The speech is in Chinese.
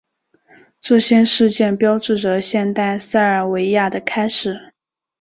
这些事件标志着现代塞尔维亚的开始。